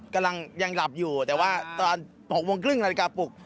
กำลังยังหลับอยู่แต่ว่าตอน๖โมงครึ่งนาฬิกาปลุก